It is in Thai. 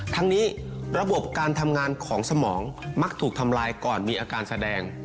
ทั้งนี้ระบบการทำงานของสมองมักถูกทำลายก่อนมีอาการแสดง